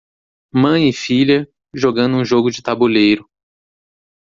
Mãe e filha jogando um jogo de tabuleiro